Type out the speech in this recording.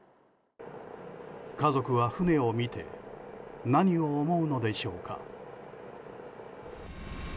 家族は船を見て何を思うのでしょうか。